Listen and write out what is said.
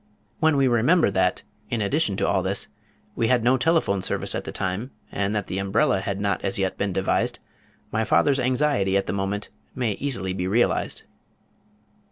When we remember that in addition to all this we had no telephone service at that time, and that the umbrella had not as yet been devised, my father's anxiety at the moment may easily be realized.